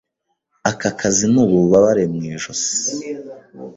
Aka kazi ni ububabare mu ijosi.